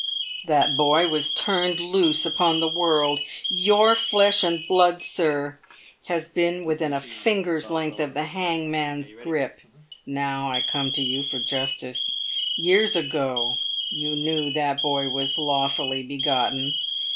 " That boy was turned loose upon the world. Your flesh and blood, sir, has been wdthin a finger's length of the hangman's grip. JSTow I come to you for justice. Years ago you knew that boy was lawfully begotten.